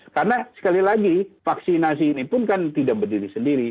karena sekali lagi vaksinasi ini pun kan tidak berdiri sendiri